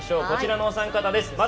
こちらのお三方です。